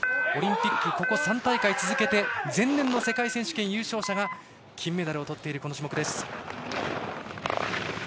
オリンピックここ３大会続けて前年の世界選手権優勝者が金メダルをとっている、この種目。